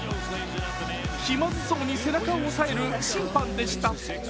気まずそうに背中を押さえる審判でした。